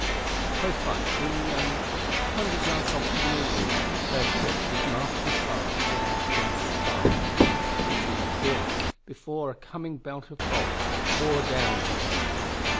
Close by, seemingly only a couple of hundred yards off to the north east, lay a ship whose masts and spars stood out against the sky. I could see her clearly, before a coming belt of fog bore down on her.